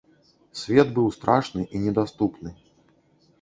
Свет быў страшны і недаступны.